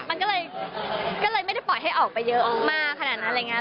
มันก็เลยไม่ได้ปล่อยให้ออกไปเยอะมากขนาดนั้นอะไรอย่างนี้